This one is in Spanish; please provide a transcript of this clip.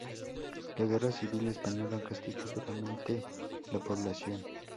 La Guerra Civil Española castigó duramente la población.